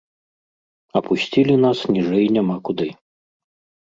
Апусцілі нас ніжэй няма куды.